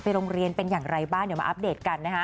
ไปลงเรียนเป็นอย่างไรมาเอาค่ะ